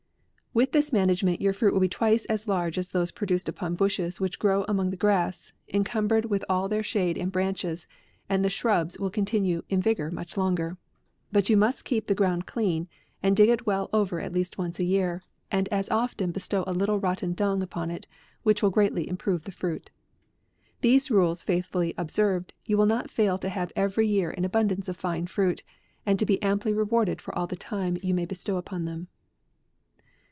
With this management, your fruit will be twice as large as those produced upon bushes which grow among the grass, encumbered with all their shade and branches, and the shrubs will continue in vigour much longer. But you must keep the ground clean, and dig it well over at least once a year; and as often be stow a little rotten dung upon it, which will greatly improve the fruit. These rules faithfully observed, you will not fail to have every year an abundance of fine fruit, and to be amply rewarded for all the time you may bestow upon them.